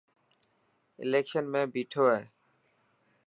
اليڪشن ۾ بيٺو هي.